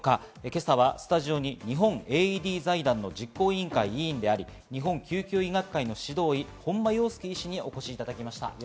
今朝はスタジオに日本ＡＥＤ財団の実行委員会委員であり、日本救急医学会の指導医・本間洋輔医師にお越しいただきました。